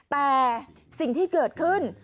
แต่สิ่งที่เกิดขึ้น